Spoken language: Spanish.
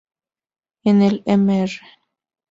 En el Mr.